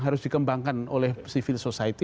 harus dikembangkan oleh civil society